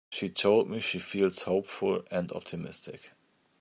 She told me she feels hopeful and optimistic.